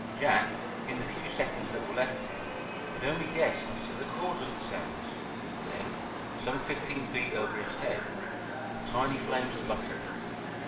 Jack, in the few seconds that were left to him, could only guess as to the cause of the sounds. Then, some fifteen feet over his head, a tiny flame sputtered.